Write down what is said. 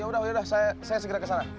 yaudah yaudah saya segera kesana